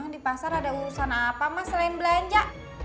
di pasar ada urusan apa mas selain belanja